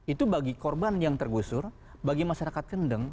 itu bagi korban yang tergusur bagi masyarakat kendeng